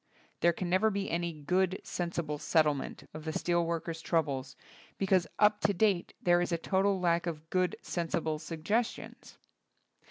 There can never be any "good, sensible settlement" of the steel workers' trou bles, because up to date there is a total lack of "good, sensible" suggestions.